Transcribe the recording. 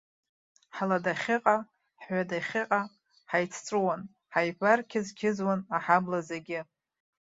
Ҳладахьыҟа, ҳҩадахьыҟа ҳаицҵәыуан, ҳаибарқьызқьызуан аҳабла зегьы.